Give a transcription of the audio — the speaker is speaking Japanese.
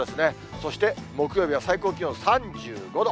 そして木曜日は最高気温３５度。